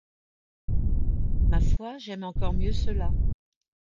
Ma foi, j’aime encore mieux cela !